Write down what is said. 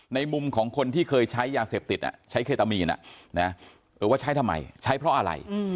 ในมุมของคนที่เคยใช้ยาเสพติดใช้เคตามีนว่าใช้ทำไมใช้เพราะอะไร